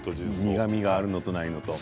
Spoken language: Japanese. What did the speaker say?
苦みがあるのとないのと。